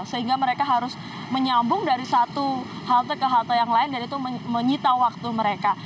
sehingga mereka harus menyambung dari satu halte ke halte yang lain dan itu menyita waktu mereka